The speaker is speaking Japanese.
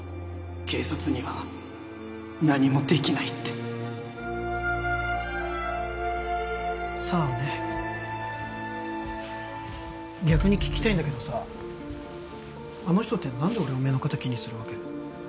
警察には何もできないってさあね逆に聞きたいんだけどさあの人って何で俺を目の敵にするわけ？